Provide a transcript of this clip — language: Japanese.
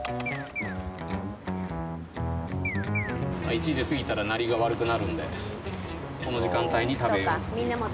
１時過ぎたら鳴りが悪くなるんでこの時間帯に食べようっていう。